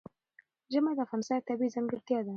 ژمی د افغانستان یوه طبیعي ځانګړتیا ده.